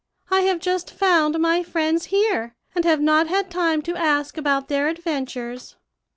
I have just found my friends here, and have not had time to ask about their adventures.'